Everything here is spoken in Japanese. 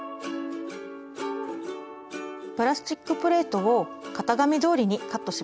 プラスチックプレートを型紙どおりにカットします。